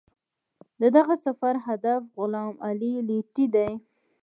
د دغه سفر هدف غلام علي لیتي دی.